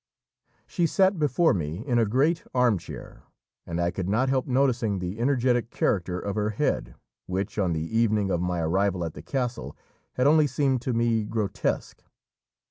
She sat before me in a great arm chair, and I could not help noticing the energetic character of her head, which on the evening of my arrival at the castle had only seemed to me grotesque.